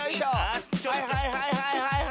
はいはいはいはいはい！